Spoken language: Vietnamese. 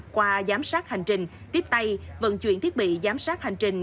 qua giám sát hành trình tiếp tay vận chuyển thiết bị giám sát hành trình